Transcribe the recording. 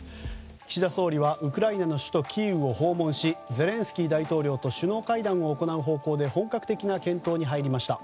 岸田総理はウクライナの首都キーウを訪問しゼレンスキー大統領と首脳会談を行う方向で本格的な検討に入りました。